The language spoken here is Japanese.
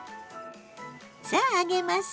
さあ揚げます。